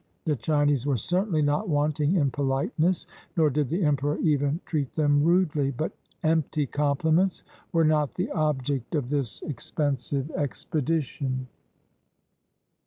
The Chinese were certainly not wanting in politeness, nor did the emperor even treat them rudely; but empty compliments were not the object of this expensive expedition.